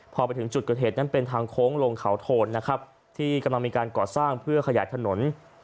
พอไปถึงจุดเกิดเหตุนั้นเป็นทางโค้งลงเขาโทนนะครับที่กำลังมีการก่อสร้างเพื่อขยายถนน